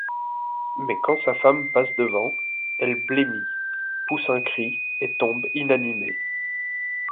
Mais quand sa femme passe devant, elle blêmit, pousse un cri et tombe inanimée.